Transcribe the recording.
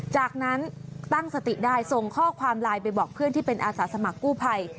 จากนั้นตั้งสติได้ส่งข้อความไลน์ไปบอกเพื่อนที่เป็นอาสาสมัครกู้ภัย